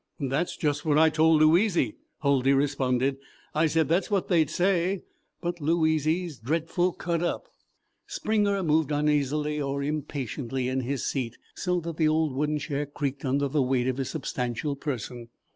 "That's just what I told Louizy," Huldy responded. "I said that's what they'd say; but Louizy 's dretful cut up." Springer moved uneasily or impatiently in his seat, so that the old wooden chair creaked under the weight of his substantial person.